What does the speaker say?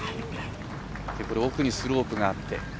奥にスロープがあって。